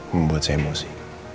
membuat saya emosi